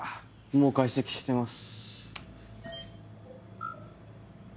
もう解析してます。